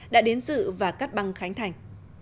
đã đến dự và cắt băng khánh thành